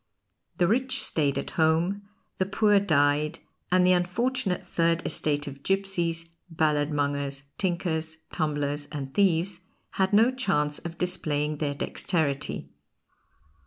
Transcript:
The rich stayed at home, the poor died, and the unfortunate third estate of gipsies, balladmongers, tinkers, tumblers, and thieves had no chance of displaying their dexterity.